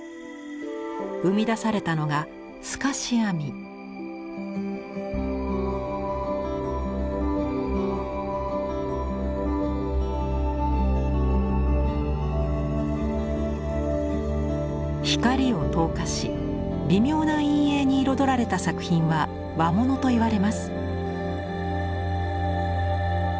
生み出されたのが光を透過し微妙な陰影に彩られた作品は「和物」といわれます。